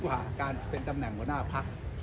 ผ่านการเป็นตำแหน่งหัวหน้าพัก